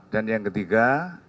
dan yang ketiga